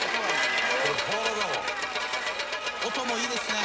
音もいいですね。